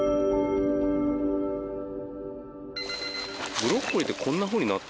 ブロッコリーってこんなふうになってるんですね。